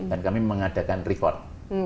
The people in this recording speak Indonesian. dan kami mengadakan record